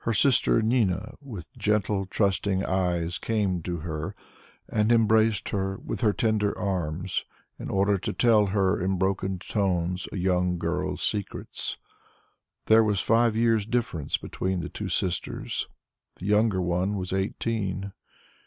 Her sister Nina, with gentle trusting eyes, came to her and embraced her with her tender arms in order to tell her in broken tones a young girl's secrets. There was five years' difference between the two sisters; the younger one was eighteen.